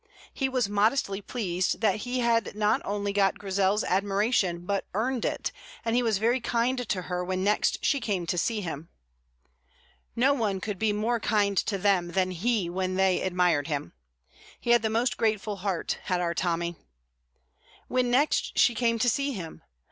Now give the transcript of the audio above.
He was modestly pleased that he had not only got Grizel's admiration, but earned it, and he was very kind to her when next she came to see him. No one could be more kind to them than he when they admired him. He had the most grateful heart, had our Tommy. When next she came to see him!